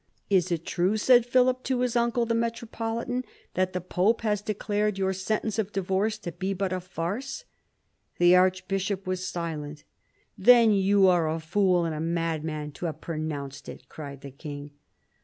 "Is it true," said Philip to his uncle, the metropolitan, "that the pope has de clared your sentence of divorce to be but a farce?" The archbishop was silent. "Then you are a fool and madman to have pronounced it," cried the king.